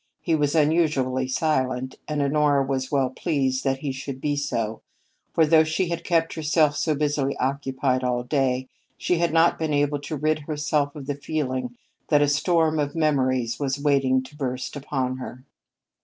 He was unusually silent, and Honora was well pleased that he should be so, for, though she had kept herself so busily occupied all the day, she had not been able to rid herself of the feeling that a storm of memories was waiting to burst upon her.